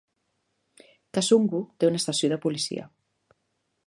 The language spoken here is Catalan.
Kasungu té una estació de policia.